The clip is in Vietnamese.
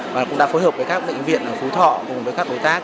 và cũng đã phối hợp với các bệnh viện ở phú thọ cùng với các đối tác